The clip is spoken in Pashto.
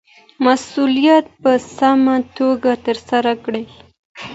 مسووليت په سمه توګه ترسره کړئ